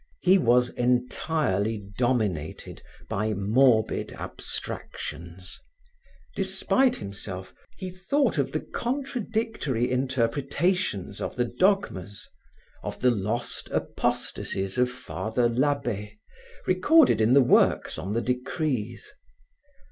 He was entirely dominated by morbid abstractions. Despite himself, he thought of the contradictory interpretations of the dogmas, of the lost apostasies of Father Labbe, recorded in the works on the Decrees.